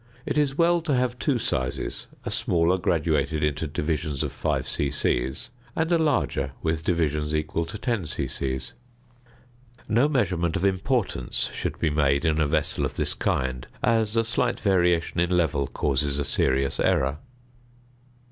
It is well to have two sizes a smaller graduated into divisions of 5 c.c. (fig. 26), and a larger with divisions equal to 10 c.c. No measurement of importance should be made in a vessel of this kind, as a slight variation in level causes a serious error.